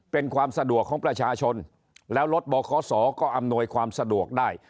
เป็นความสะดวกของประชาชนแล้วรถบขศก็อำนวยความสะดวกได้